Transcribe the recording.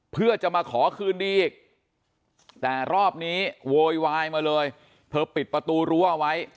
เพื่อจะมาขอคืนดีอีกแต่รอบนี้โวยวายมาเลยเธอปิดประตูรั้วเอาไว้